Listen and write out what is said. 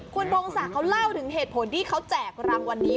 คุณพงศักดิ์เขาเล่าถึงเหตุผลที่เขาแจกรางวัลนี้